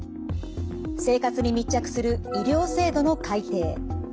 生活に密着する医療制度の改定。